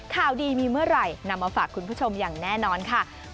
ข่าวดีมีเมื่อไหร่นำมาฝากคุณผู้ชมอย่างแน่นอนค่ะ